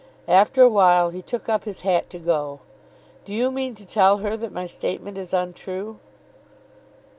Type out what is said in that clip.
After a while he took up his hat to go. "Do you mean to tell her that my statement is untrue?"